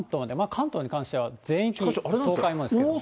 関東に関しては全域、東海もですけれども。